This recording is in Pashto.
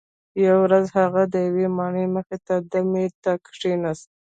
یوه ورځ هغه د یوې ماڼۍ مخې ته دمې ته کښیناست.